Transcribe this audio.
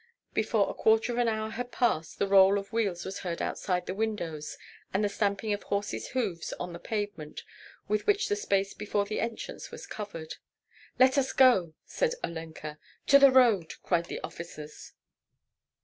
Before a quarter of an hour had passed, the roll of wheels was heard outside the windows, and the stamping of horses' hoofs on the pavement with which the space before the entrance was covered. "Let us go!" said Olenka. "To the road!" cried the officers.